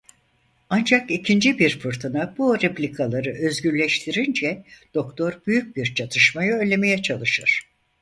Ancak ikinci bir fırtına bu replikaları özgürleştirince Doktor büyük bir çatışmayı önlemeye çalışır.